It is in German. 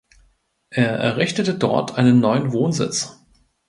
Er errichtete dort einen neuen Wohnsitz.